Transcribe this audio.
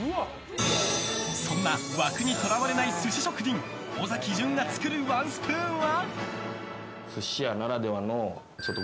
そんな枠にとらわれない寿司職人尾崎淳が作るワンスプーンは？